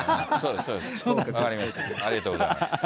ありがとうございます。